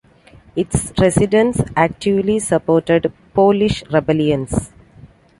Its residents actively supported Polish rebellions.